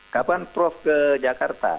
kapan prof ke jakarta